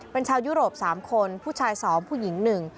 เป็นชาวยุโรป๓คนผู้ชาย๒ผู้หญิง๑